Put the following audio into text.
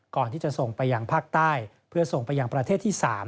ก่อนที่จะส่งไปยังภาคใต้เพื่อส่งไปยังประเทศที่๓